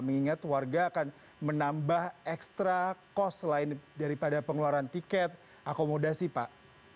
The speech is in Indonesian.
mengingat warga akan menambah ekstra kos lain daripada pengeluaran tiket akomodasi pak